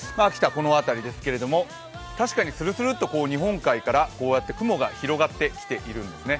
この辺りですけども、確かにするするっと、日本海から雲が広がってきているんですね。